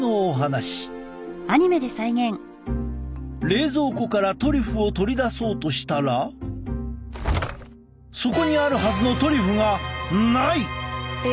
冷蔵庫からトリュフを取り出そうとしたらそこにあるはずのトリュフがない！